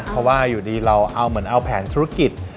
เพราะว่าอยู่ดีเราเอาเหมือนเอาแผนธุรกิจ